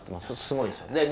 すごいんですよ。